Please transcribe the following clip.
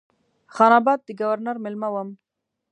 خان آباد د ګورنر مېلمه وم.